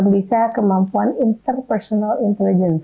bisa kemampuan interpersonal intelijens